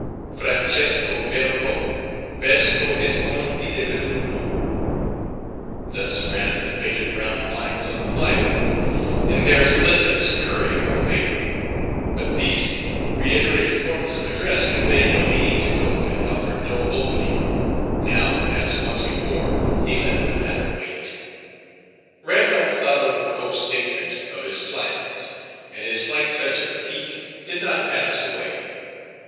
Francesco Bembo, Vesco et Conte di Belluno_" thus ran the faded brown lines on the flyleaf, in their solicitous currying of favor; but these reiterated forms of address conveyed no meaning to Cope, and offered no opening: now, as once before, he let the matter wait. Randolph thought over Cope's statement of his plans, and his slight touch of pique did not pass away.